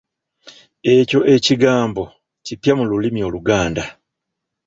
Ekyo ekigambo kipya mu lulimi Oluganda.